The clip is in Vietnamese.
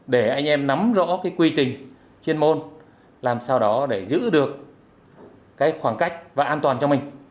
để anh em nắm rõ cái quy trình chuyên môn làm sao đó để giữ được khoảng cách và an toàn cho mình